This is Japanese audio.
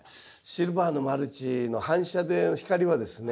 シルバーのマルチの反射で光はですね